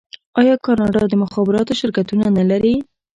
آیا کاناډا د مخابراتو شرکتونه نلري؟